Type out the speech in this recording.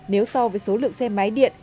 nếu so với số lượng xe máy điện